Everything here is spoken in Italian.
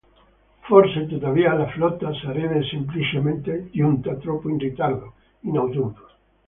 Forse, tuttavia, la flotta sarebbe semplicemente giunta troppo in ritardo, in autunno.